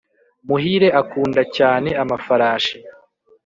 muhire akunda cyane amafarashi